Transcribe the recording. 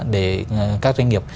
để các doanh nghiệp